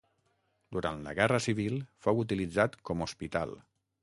Durant la guerra civil fou utilitzat com hospital.